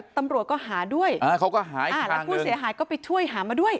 ตำรวจก็หาด้วยเขาก็หายอ่าแล้วผู้เสียหายก็ไปช่วยหามาด้วย